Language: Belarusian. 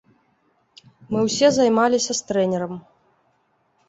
Мы ўсе займаліся з трэнерам.